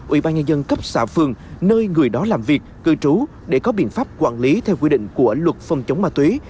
ủy ban nhân dân cấp xã phường nơi người đó làm việc cư trú để có biện pháp quản lý theo quy định của luật phòng chống ma túy